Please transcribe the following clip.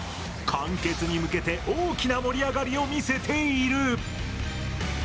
完結に向けて大きな盛り上がりを見せている。